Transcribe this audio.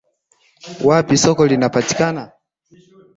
wapi soko litapatikana